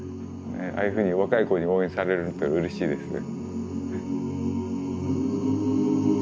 ああいうふうに若い子に応援されるっていうのはうれしいですね。